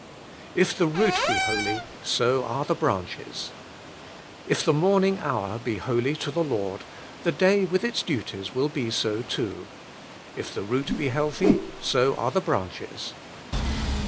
"If the root be holy, so are the branches." If the morning hour be holy to the Lord, the day with its duties will be so too. If the root be healthy, so are the branches.